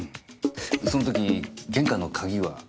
その時玄関の鍵は？